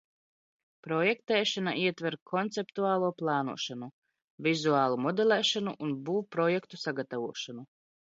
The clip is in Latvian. Projektēšana ietver konceptuālo plānošanu, vizuālu modelēšanu un būvprojektu sagatavošanu.